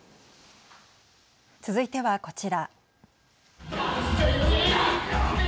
続いてはこちら。